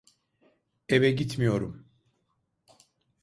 Eve gitmiyorum.